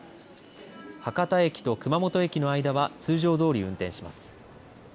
博多駅と熊本駅の間は通常どおり運転します。